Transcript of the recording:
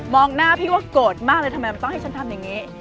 หน้าพี่ว่าโกรธมากเลยทำไมมันต้องให้ฉันทำอย่างนี้